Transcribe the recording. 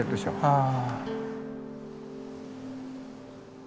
ああ。